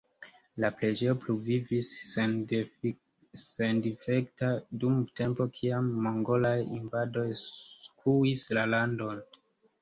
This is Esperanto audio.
La preĝejo pluvivis sendifekta dum tempo kiam mongolaj invadoj skuis la landon.